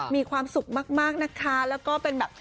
มีความสุขมากนะคะแล้วก็เป็นแบบ